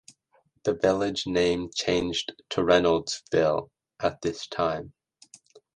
The village name changed to Reynoldsville at this time.